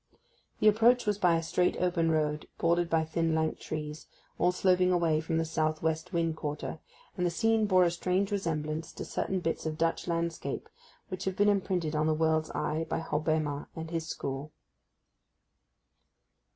The approach was by a straight open road, bordered by thin lank trees, all sloping away from the south west wind quarter, and the scene bore a strange resemblance to certain bits of Dutch landscape which have been imprinted on the world's eye by Hobbema and his school.